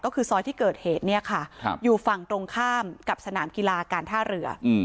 ก็คือซอยที่เกิดเหตุเนี่ยค่ะอยู่ฝั่งตรงข้ามกับสนามกีฬาการท่าเรือ